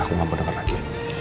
aku gak pedekan lagi